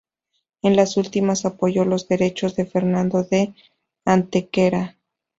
En las últimas apoyó los derechos de Fernando de Antequera.